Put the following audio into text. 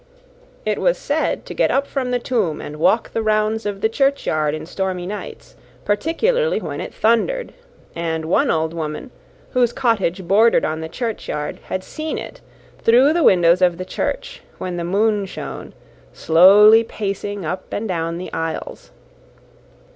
It was said to get up from the tomb and walk the rounds of the churchyard in stormy nights, particularly when it thundered; and one old woman, whose cottage bordered on the churchyard, had seen it, through the windows of the church, when the moon shone, slowly pacing up and down the aisles.